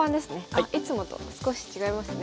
あっいつもと少し違いますね。